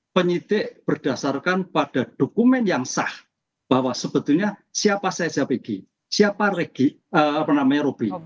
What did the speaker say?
penyidik berdasarkan pada dokumen yang sah bahwa sebetulnya siapa saya pegi siapa regi apa namanya robi